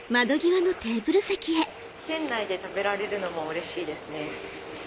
店内で食べられるのもうれしいですね。